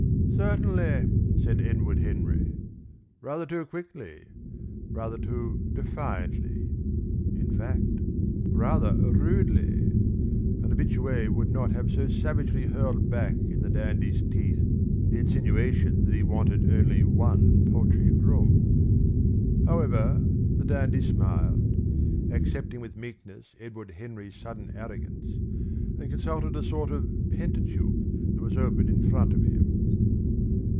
"Certainly!" said Edward Henry. Rather too quickly, rather too defiantly; in fact, rather rudely! A habitué would not have so savagely hurled back in the dandy's teeth the insinuation that he wanted only one paltry room. However, the dandy smiled, accepting with meekness Edward Henry's sudden arrogance, and consulted a sort of pentateuch that was open in front of him.